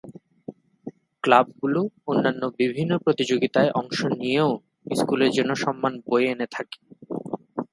ক্লাবগুলো অন্যান্য বিভিন্ন প্রতিযোগীতায় অংশ নিয়েও স্কুলের জন্য সম্মান বয়ে এনে থাকে।